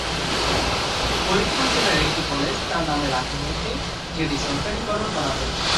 ফরিদপুর জেলার একটি কলেজ তার নামে রাখা হয়েছে, যেটি সরকারিকরণ করা হয়েছে।